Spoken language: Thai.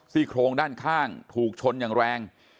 โครงด้านข้างถูกชนอย่างแรง